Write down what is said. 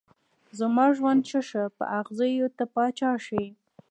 زما ژوند شه په اغزيو ته پاچا شې